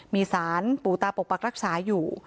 มีสารปู่ตาปกปักรักษาอยู่